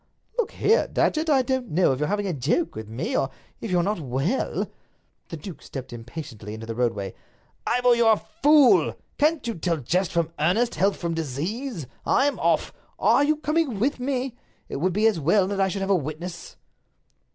"Look here, Datchet, I don't know if you're having a joke with me, or if you're not well—" The duke stepped impatiently into the roadway. "Ivor, you're a fool! Can't you tell jest from earnest, health from disease? I'm off! Are you coming with me? It would be as well that I should have a witness."